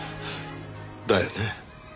だよね。